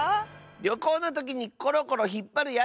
りょこうのときにコロコロひっぱるやつ！